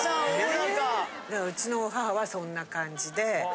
うちの母はそんな感じで。